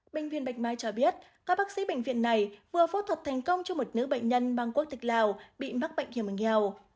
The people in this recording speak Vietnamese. bệnh viện bạch mai cho biết các bác sĩ bệnh viện này vừa phẫu thuật thành công cho một nữ bệnh nhân mang quốc tịch lào bị mắc bệnh hiểm nghèo